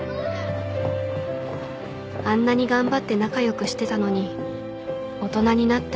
あんなに頑張って仲良くしてたのに大人になった